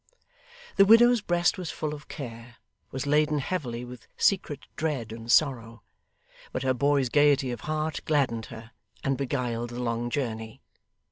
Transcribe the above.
The widow's breast was full of care, was laden heavily with secret dread and sorrow; but her boy's gaiety of heart gladdened her, and beguiled the long journey.